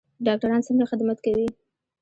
ډاکټران څنګه خدمت کوي؟